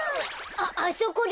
あっあそこだ。